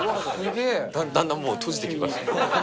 だんだんもう閉じてきます。